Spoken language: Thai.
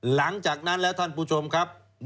หลังจากนั้นแล้วท่านผู้ชมครับ